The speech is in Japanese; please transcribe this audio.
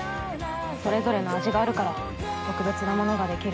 それぞれの味があるから特別なものが出来る。